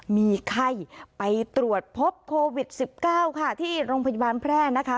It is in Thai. มีไข้ไปตรวจพบโควิด๑๙ค่ะที่โรงพยาบาลแพร่นะคะ